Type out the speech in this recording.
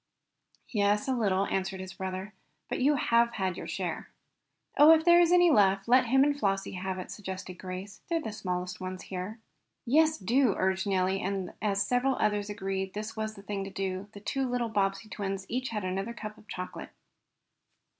"Yes, a little," answered his brother "But you have had your share." "Oh, if there is any left let him and Flossie have it," suggested Grace. "They're the smallest ones here." "Yes, do," urged Nellie, and as several others agreed that this was the thing to do, the two little Bobbsey twins each had another cup of chocolate.